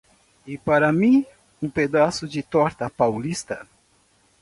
E para mim um pedaço de torta paulista.